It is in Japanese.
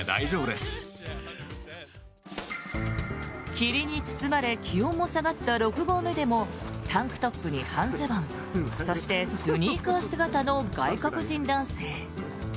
霧に包まれ気温も下がった６合目でもタンクトップに半ズボンそして、スニーカー姿の外国人男性。